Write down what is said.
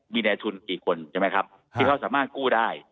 มีในทุนกี่คนที่เขาสามารถกู้ได้